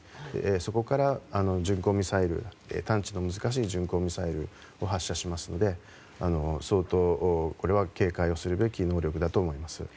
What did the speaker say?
そこから探知の難しい巡航ミサイルを発射しますので相当、これは警戒をすべき能力だと思います。